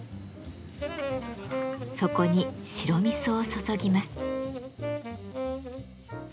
そこに白味噌を注ぎます。